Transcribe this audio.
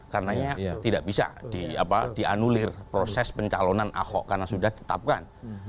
karena tidak bisa dianulir proses pencalonan ahok karena sudah tetapkan